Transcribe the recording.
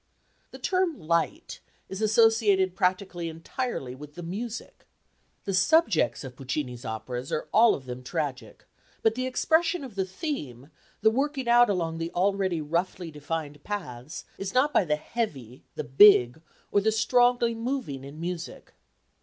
The term "light" is associated practically entirely with the music. The subjects of Puccini's operas are all of them tragic, but the expression of the theme, the working out along the already roughly defined paths, is not by the heavy, the big, or the strongly moving in music.